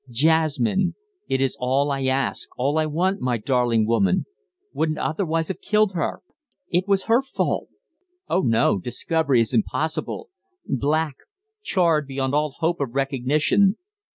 "Jasmine ... it is all I ask, all I want, my darling woman ... wouldn't otherwise have killed her ... it was her fault ... oh, no, discovery is impossible ... black, charred beyond all hope of recognition